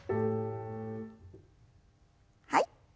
はい。